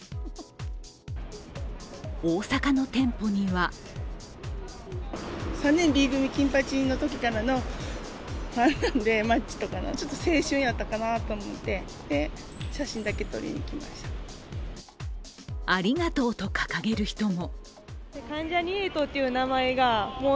大阪の店舗には「ありがとう」と掲げる人も。